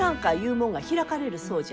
もんが開かれるそうじゃ。